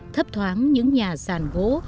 thấp thoáng những nhà sàn gỗ